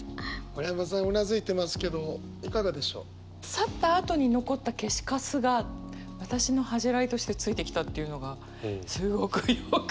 「去った後に残った消しカスが私の恥じらいとしてついてきた」っていうのがすごくよく分かる。